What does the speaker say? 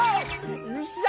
よっしゃ！